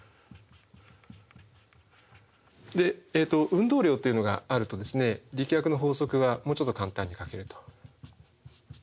運動量というのがあると力学の法則がもうちょっと簡単に書けると。